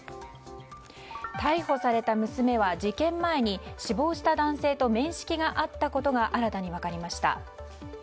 逮捕された娘は事件前に死亡した男性と面識があったことが新たに分かりました。